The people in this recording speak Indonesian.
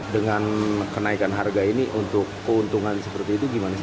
dengan kenaikan harga ini untuk keuntungan seperti itu gimana sih